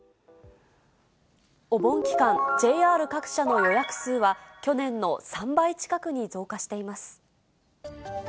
お盆期間、ＪＲ各社の予約数は、去年の３倍近くに増加しています。